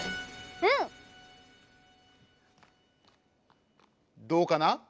うん！どうかな？